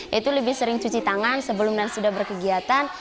yaitu lebih sering cuci tangan sebelum dan sudah berkegiatan